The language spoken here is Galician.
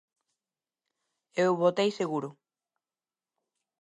Eu votei seguro.